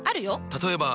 例えば。